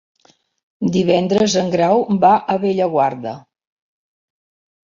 Divendres en Grau va a Bellaguarda.